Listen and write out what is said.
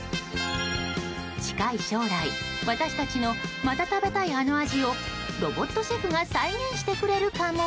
近い将来、私たちのまた食べたい、あの味をロボットシェフが再現してくれるかも？